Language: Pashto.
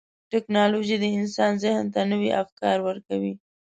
ټکنالوجي د انسان ذهن ته نوي افکار ورکوي.